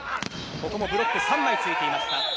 ここもブロック３枚ついていました。